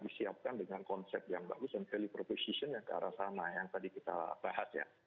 disiapkan dengan konsep yang bagus dan value proposition yang ke arah sana yang tadi kita bahas ya